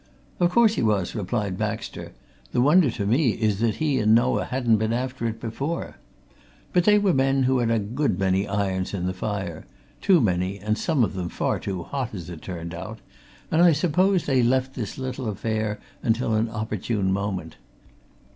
"Of course he was!" replied Baxter. "The wonder to me is that he and Noah hadn't been after it before. But they were men who had a good many irons in the fire too many and some of them far too hot, as it turned out and I suppose they left this little affair until an opportune moment.